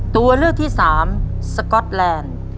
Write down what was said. ตัวเลือกที่สามสก๊อตแลนด์